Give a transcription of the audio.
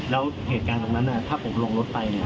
แล้วเหตุการณ์ตรงนั้นถ้าผมลงรถไปเนี่ย